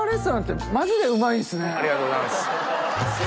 ありがとうございます。